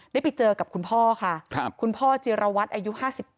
ได้ไปเจอกับคุณพ่อค่ะคุณพ่อจิรวัตรอายุ๕๘